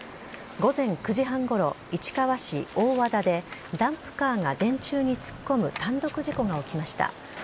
午前９時半ごろ、市川市大和田で、ダンプカーが電柱に突っ込む単独事故が起きました。